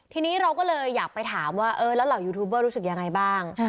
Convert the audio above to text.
ทีนี้เราก็เลยอยากไปถามว่าเออแล้วเหล่ายูทูบเบอร์รู้สึกยังไงบ้าง